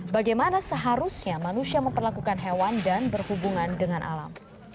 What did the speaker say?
bagaimana seharusnya manusia memperlakukan hewan dan berhubungan dengan alam